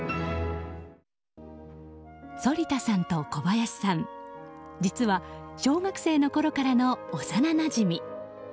反田さんと小林さん、実は小学生のころからの幼なじみ。